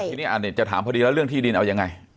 ทีนี้จะถามพอดีแล้วเรื่องที่ดินเอายังไง